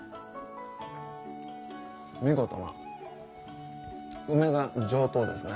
見事な梅が上等ですね。